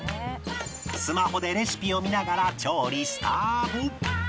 スマホでレシピを見ながら調理スタート